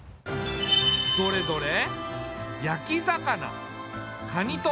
どれどれ。